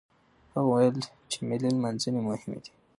هغه وويل چې ملي نمانځنې مهمې دي.